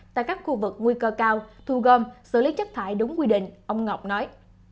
tại các khu vực nguy cơ cao thu gom xử lý chất thải đúng quy định ông ngọc nói